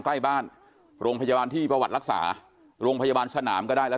ใกล้บ้านโรงพยาบาลที่ประวัติรักษาโรงพยาบาลสนามก็ได้แล้ว